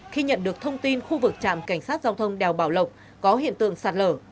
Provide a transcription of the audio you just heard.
khi nhận được thông tin khu vực trạm cảnh sát giao thông đèo bảo lộc có hiện tượng sạt lở